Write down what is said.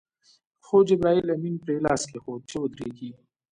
خو جبرائیل امین پرې لاس کېښود چې ودرېږي.